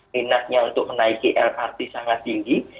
minatnya untuk menaiki lrt sangat tinggi